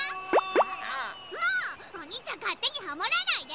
もうおにいちゃんかってにハモらないで！